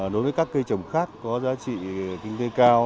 đối với các cây trồng khác có giá trị kinh tế cao